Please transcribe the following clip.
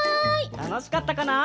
たのしかったかな？